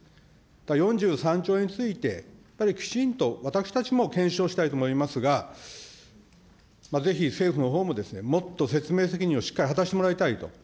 ４３兆円について、やっぱりきちんと、私たちも検証したいと思いますが、ぜひ政府のほうも、もっと説明責任をしっかり果たしてもらいたいと。